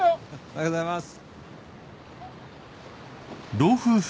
おはようございます。